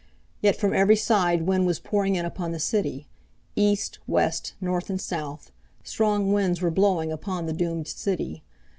Yet from every side wind was pouring in upon the city. East, west, north, and south, strong winds were blowing upon the doomed city.